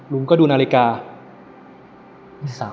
ลุงก็ดูนาฬิกา